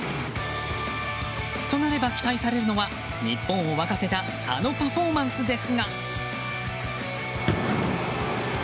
となれば期待されるのは日本を沸かせたあのパフォーマンスですが。